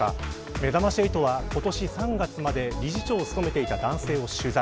めざまし８は、今年３月まで理事長を務めていた男性を取材。